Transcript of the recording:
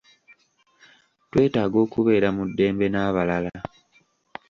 Twetaaga okubeera mu ddembe n'abalala.